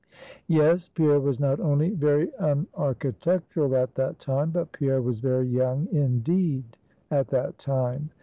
Yes; Pierre was not only very unarchitectural at that time, but Pierre was very young, indeed, at that time.